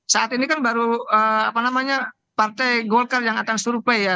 saat ini kan baru partai golkar yang akan survei ya